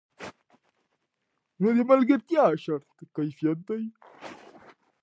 نو د ملګرتیا شرط کیفیت دی.